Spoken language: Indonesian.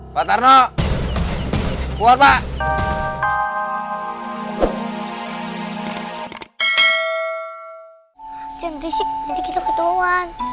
pak tarno keluar pa